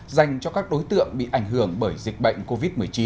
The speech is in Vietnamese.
dành cho các đối tượng bị ảnh hưởng bởi dịch bệnh covid một mươi chín